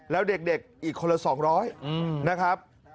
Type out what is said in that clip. แล้วเด็กอีกคนละ๒๐๐นะครับ